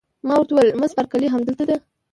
ما ورته وویل: مس بارکلي همدلته ده؟